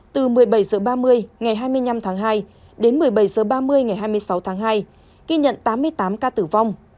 từ một mươi bảy h ba mươi ngày hai mươi năm tháng hai đến một mươi bảy h ba mươi ngày hai mươi sáu tháng hai ghi nhận tám mươi tám ca tử vong